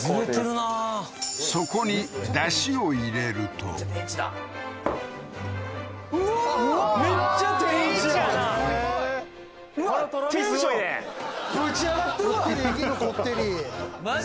そこに出汁を入れるとうわマジ？